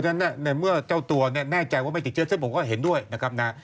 ฉะนั้นในเมื่อเจ้าตัวเนี่ยแน่ใจว่าไม่ติดเชื้อซึ่งผมก็เห็นด้วยนะครับนะ